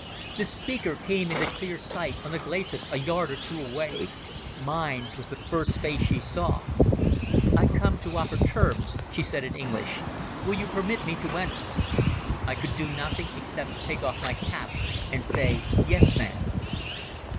The speaker came into clear sight on the glacis a yard or two away. Mine was the first face she saw. "I come to offer terms," she said in English. "Will you permit me to enter?" I could do nothing except take off my cap and say, "Yes, ma'am."